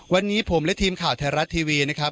วันนี้ผมและทีมข่าวไทยรัฐทีวีนะครับ